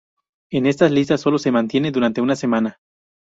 En estas listas solo se mantiene durante una semana.